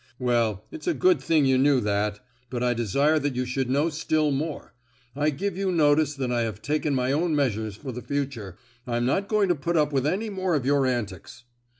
"Well, it's a good thing that you knew that; but I desire that you should know still more. I give you notice that I have taken my own measures for the future, I'm not going to put up with any more of your antics."